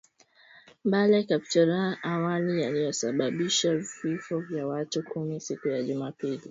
Mbale na Kapchorwa awali yalisababisha vifo vya watu kumi siku ya Jumapili